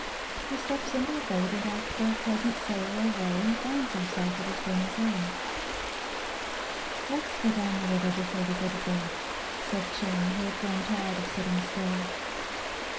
He steps into a boat, and after a pleasant sail or row, he finds himself at his journey's end. "Let's go down the river before we go to bed," said Chin, who had grown tired of sitting still.